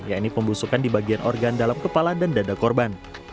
yaitu pembusukan di bagian organ dalam kepala dan dada korban